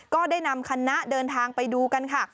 ก็ได้นำคณะเดินทางไปดูกันค่ะ